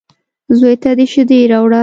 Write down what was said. _زوی ته دې شېدې راوړه.